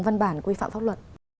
văn bản quy phạm pháp luật